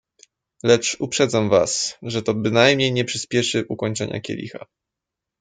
"Lecz uprzedzam was, że to bynajmniej nie przyśpieszy ukończenia kielicha."